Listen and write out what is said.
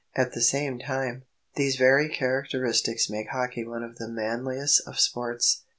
At the same time, these very characteristics make hockey one of the manliest of sports.